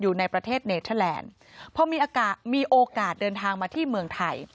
อยู่ในประเทศเนเทอร์แลนด์พอมีโอกาสมีโอกาสเดินทางมาที่เมืองไทย